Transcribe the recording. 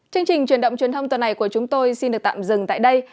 chương trình truyền động truyền thông tuần này của chúng tôi xin được tạm dừng tại đây